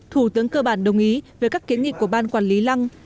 thủ tướng cơ bản đồng ý về các kiến nghị của ban quản lý lăng